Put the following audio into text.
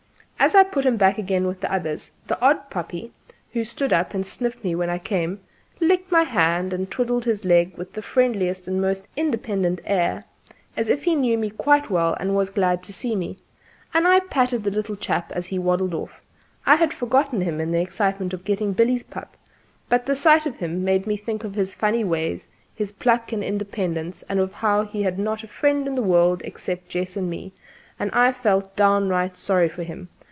As I put him back again with the others the odd puppy, who had stood up and sniffed at me when I came, licked my hand and twiddled his tail with the friendliest and most independent air, as if he knew me quite well and was glad to see me, and I patted the poor little chap as he waddled up. I had forgotten him in the excitement of getting Billy's pup; but the sight of him made me think of his funny ways, his pluck and independence, and of how he had not a friend in the world except Jess and me; and I felt downright sorry for him.